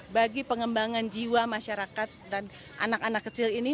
bagi pengembangan jiwa masyarakat dan anak anak kecil ini